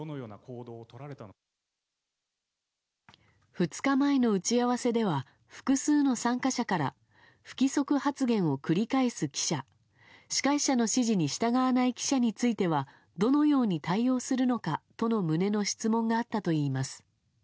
２日前の打ち合わせでは複数の参加者から不規則発言を繰り返す記者司会者の指示に従わない記者についてはどのように対応するのかとの旨の質問があったといいます。